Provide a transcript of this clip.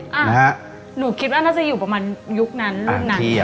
หนูคิดว่าน่าจะอยู่ประมาณยุคนั้นรูปนั้น